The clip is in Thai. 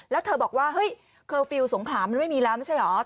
แล้วเธอบอกว่าเฮ้ยเคอร์ฟิลล์สงขลามันไม่มีแล้วไม่ใช่เหรอ